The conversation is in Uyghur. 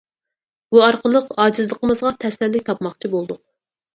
بۇ ئارقىلىق، ئاجىزلىقىمىزغا تەسەللى تاپماقچى بولدۇق.